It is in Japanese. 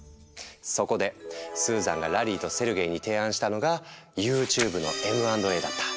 そこでスーザンがラリーとセルゲイに提案したのがＹｏｕＴｕｂｅのＭ＆Ａだった。